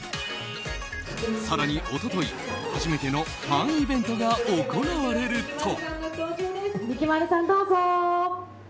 更に一昨日、初めてのファンイベントが行われると。